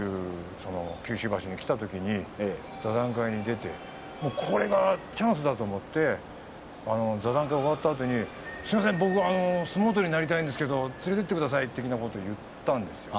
九州場所に来たときに座談会に出てこれがチャンスだと思って座談会が終わったあとに僕は相撲取りになりたいんですけど連れて行ってくださいと言ったんです。